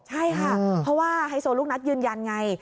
ใช่ค่ะเพราะว่าไฮโซลูกนัดยืนยันไง